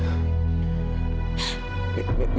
tolong tinggalkan aku dan anak aku